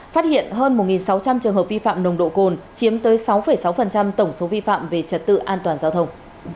phát hiện hơn một sáu trăm linh trường hợp vi phạm nồng độ cồn chiếm tới sáu sáu tổng số vi phạm về trật tự an toàn giao thông